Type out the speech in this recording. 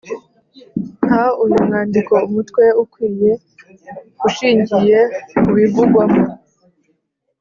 Ha uyu mwandiko umutwe ukwiye ushingiye ku bivugwamo.